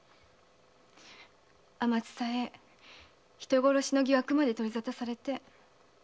あまつさえ人殺しの疑惑まで取り沙汰されて。